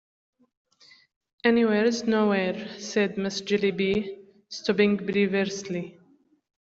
"Anywhere's nowhere," said Miss Jellyby, stopping perversely.